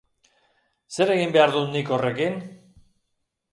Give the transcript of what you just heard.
Zer egin behar dut nik horrekin?